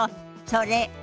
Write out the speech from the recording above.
それ。